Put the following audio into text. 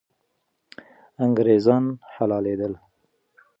انګریزان حلالېدل.